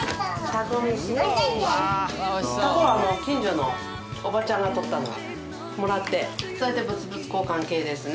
タコは近所のおばちゃんがとったのをもらってそうやって物々交換系ですね。